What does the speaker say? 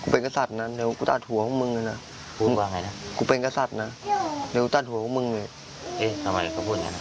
พี่เขยกจะพูดอย่างนั้น